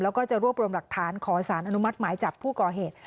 แล้วก็จะรวบรวมหลักฐานขอสารอนุมัติหมายจับผู้ก่อเหตุ